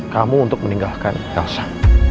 kamu untuk meninggalkan elsa